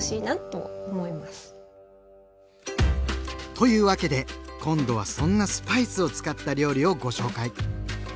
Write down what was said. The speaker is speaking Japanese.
というわけで今度はそんなスパイスを使った料理をご紹介。